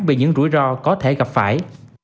vì những rủi ro có thể gặp phải